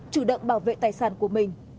chủ động bảo vệ tài sản của mình